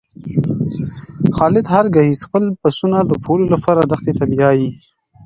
خالد هر ګیځ خپل پسونه د پوولو لپاره دښتی ته بیایی.